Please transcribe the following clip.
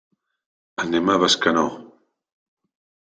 Anem a Bescanó.